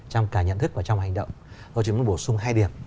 trong cả nhận thức và trong hành động